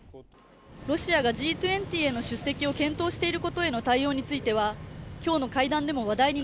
ロシアがＧ２０への出席を検討していることについての対応については今日の会談でも話題に